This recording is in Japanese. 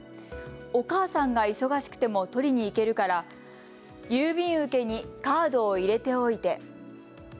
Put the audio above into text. お母さんが忙しくても取りに行けるから郵便受けにカードを入れておいて。